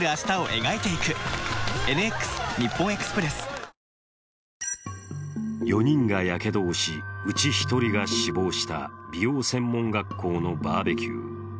東芝４人がやけどをし、うち１人が死亡した美容専門学校のバーベキュー。